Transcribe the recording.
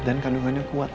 dan kandungannya kuat